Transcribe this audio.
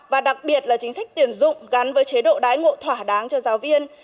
và đặc biệt là chính sách tuyển dụng gắn với chế độ đái ngộ thỏa đáng cho giáo viên